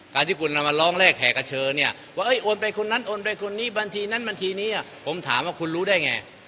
ที่คุณเอามาร้องแรกแห่กระเชอเนี่ยว่าโอนไปคนนั้นโอนไปคนนี้บัญชีนั้นบัญชีนี้ผมถามว่าคุณรู้ได้ไง